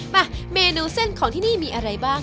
มาเมนูเส้นของที่นี่มีอะไรบ้าง